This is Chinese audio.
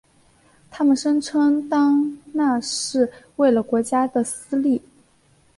他们声称当那是为了国家的私利。